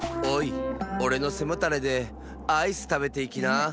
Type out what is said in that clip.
おれのせもたれでアイスたべていきな！